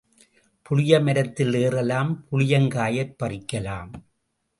புளியமரத்தில் ஏறலாம், புளியங்காயைப் பறிக்கலாம்.